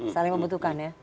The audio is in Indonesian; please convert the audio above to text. saling membutuhkan ya